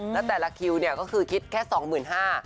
แล้วแต่ละคิวก็คือคิดแค่สองหมื่นห้า